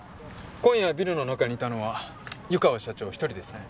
今夜ビルの中にいたのは湯川社長一人ですね？